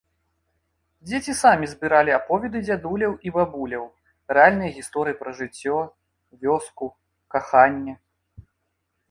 Дзеці самі збіралі аповеды дзядуляў і бабуляў, рэальныя гісторыі пра жыццё, вёску, каханне.